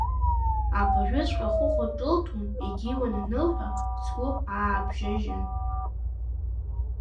Абыржәыҵәҟьа Хәыхәа ҿылҭуан-егьиуан анылҳәа, сгәы аабжьажьан…